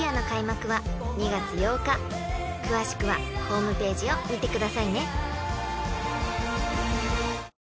［詳しくはホームページを見てくださいね］